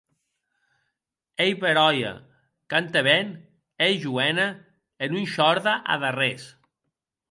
Ei beròia, cante ben, ei joena e non shòrde ad arrés.